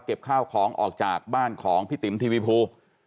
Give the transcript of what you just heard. ข้าวของออกจากบ้านของพี่ติ๋มทีวีภู